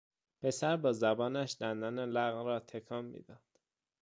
پسر با زبانش دندان لق را تکان میداد.